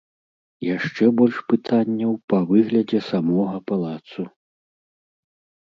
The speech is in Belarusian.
Яшчэ больш пытанняў па выглядзе самога палацу.